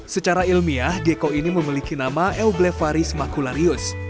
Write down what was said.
secara ilmiah gecko ini memiliki nama eublevaris macularius